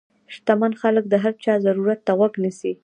شتمن خلک د هر چا ضرورت ته غوږ نیسي.